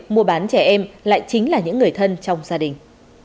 mua bán trẻ em lại chính là những người thân trong gia đình